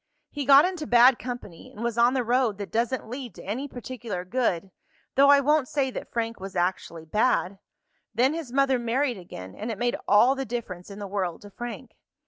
"He got into bad company and was on the road that doesn't lead to any particular good, though I won't say that Frank was actually bad. Then his mother married again, and it made all the difference in the world to Frank."